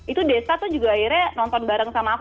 itu desa tuh juga akhirnya nonton bareng sama aku